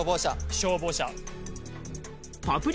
消防車。